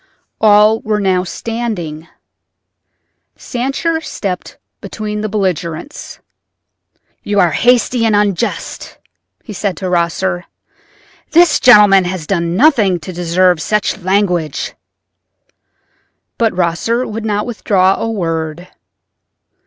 All were now standing. Sancher stepped between the belligerents. "You are hasty and unjust," he said to Rosser; "this gentleman has done nothing to deserve such language." But Rosser would not withdraw a word.